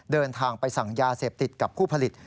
เดินทางไปสั่งยาเสพติดกับผู้ผลิต